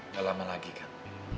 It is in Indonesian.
gak lama lagi kan